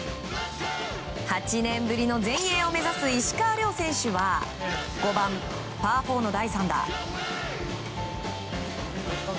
８年ぶりの全英を目指す石川遼選手は５番、パー４の第３打。